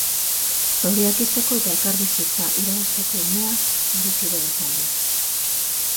Zauriak ixteko eta elkarbizitza irabazteko unea iritsi dela esan du.